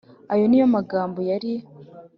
Aya ni yo magambo yari